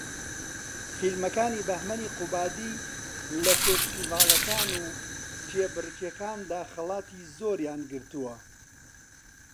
فیلمەکانی بەھمەن قوبادی لە فێستیڤاڵەکان و کێبەرکێکاندا خەڵاتی زۆریان گرتووە